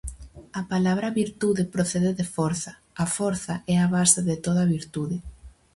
A palabra virtude procede de forza; a forza é a base de toda virtude.